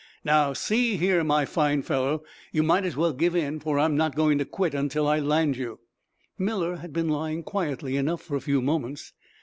Now, see here, my fine fellow, you might as well give in, for I'm not going to quit until I land you " Miller had been lying quietly enough for a few moments.